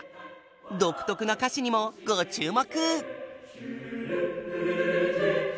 独特な歌詞にもご注目！